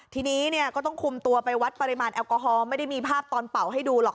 ทีนี้เนี่ยก็ต้องคุมตัวไปวัดปริมาณแอลกอฮอลไม่ได้มีภาพตอนเป่าให้ดูหรอก